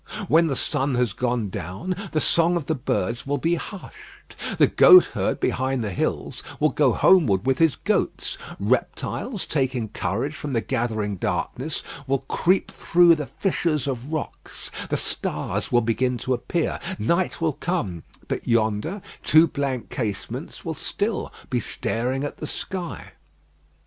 When the sun has gone down, the song of the birds will be hushed, the goatherd behind the hills will go homeward with his goats; reptiles, taking courage from the gathering darkness, will creep through the fissures of rocks; the stars will begin to appear, night will come, but yonder two blank casements will still be staring at the sky.